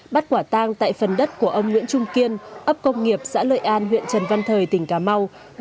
bắt quả tang tại phần đất của ông nguyễn trung kiên ấp công nghiệp xã lợi an huyện trần văn thời tỉnh cà mau